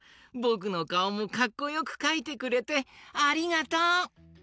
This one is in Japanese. ぼくのかおもかっこよくかいてくれてありがとう！